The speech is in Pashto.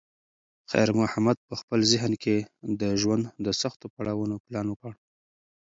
خیر محمد په خپل ذهن کې د ژوند د سختو پړاوونو پلان وکړ.